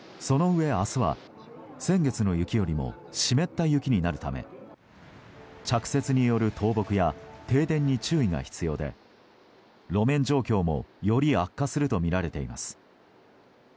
そのうえ明日は、先月の雪よりも湿った雪になるため着雪による倒木や停電に注意が必要で路面状況もより悪化するとみられています。